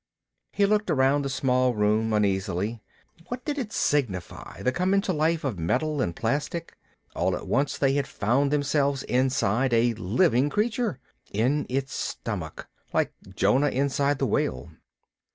He looked around the small room uneasily. What did it signify, the coming to life of metal and plastic? All at once they had found themselves inside a living creature, in its stomach, like Jonah inside the whale.